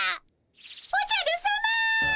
おじゃるさま。